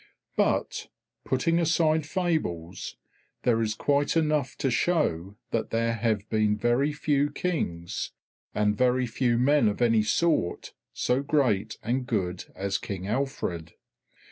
But, putting aside fables, there is quite enough to show that there have been very few Kings, and very few men of any sort, so great and good as King Alfred.